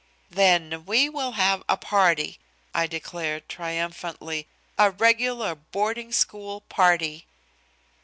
"Then we will have a party," I declared triumphantly, "a regular boarding school party."